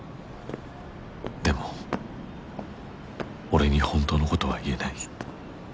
でも俺に本当のことは言えない。